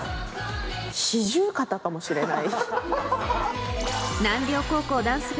四十肩かもしれない。